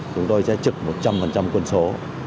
chúng tôi sẽ trực một trăm linh quân số